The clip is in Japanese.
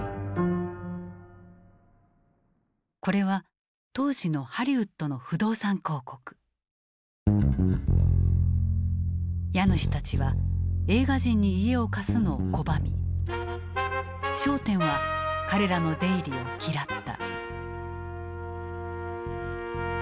これは当時のハリウッドの家主たちは映画人に家を貸すのを拒み商店は彼らの出入りを嫌った。